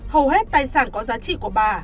hầu hết tài sản có giá trị của bà